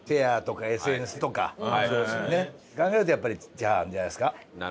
考えるとやっぱりチャーハンじゃないですか。